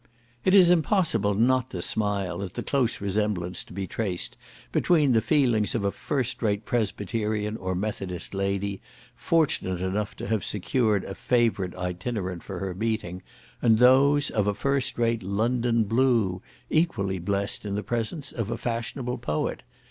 It is impossible not to smile at the close resemblance to be traced between the feelings of a first rate Presbyterian or Methodist lady, fortunate enough to have secured a favourite Itinerant for her meeting, and those of a first rate London Blue, equally blest in the presence of a fashionable poet.